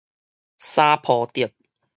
三抱竹